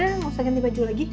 nggak usah ganti baju lagi